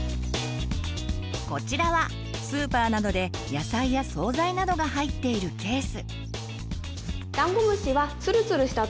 こちらはスーパーなどで野菜や総菜などが入っているケース。